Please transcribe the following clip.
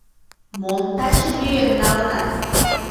Мом таче лӱен налынат?